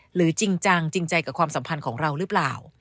จริงจังจริงใจกับความสัมพันธ์ของเราหรือเปล่า